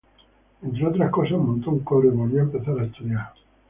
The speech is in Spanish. Entre otras cosas montó un coro y volvió a empezar a estudiar.